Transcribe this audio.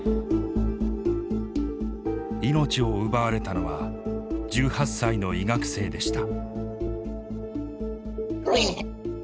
命を奪われたのは１８歳の医学生でした。